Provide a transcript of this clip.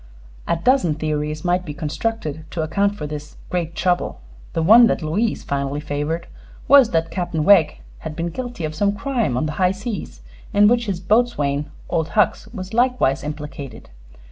A dozen theories might be constructed to account for this "great trouble." The one that Louise finally favored was that Captain Wegg had been guilty of some crime on the high seas in which his boatswain, Old Hucks, was likewise implicated.